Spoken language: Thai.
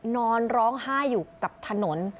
นอนร้องไห้อยู่กับถนน